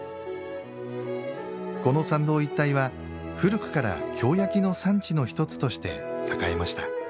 この参道一帯は古くから京焼の産地の一つとして栄えました。